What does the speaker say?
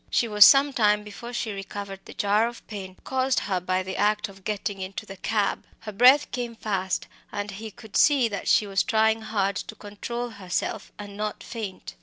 She was some time before she recovered the jar of pain caused her by the act of getting into the cab. Her breath came fast, and he could see that she was trying hard to control herself and not to faint.